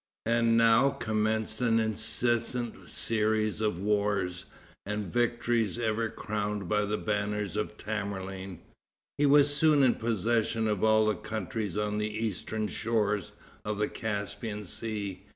And now commenced an incessant series of wars, and victory ever crowned the banners of Tamerlane. He was soon in possession of all the countries on the eastern shores of the Caspian Sea.